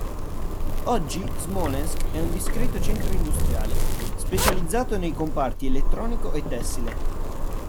Oggi Smolensk è un discreto centro industriale, specializzato nei comparti elettronico e tessile.